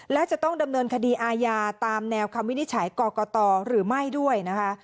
และจะต้องดำเนินคดีอาญาตามแนวคำวินิจฉัยกรกตหรือไม่ด้วยนะคะ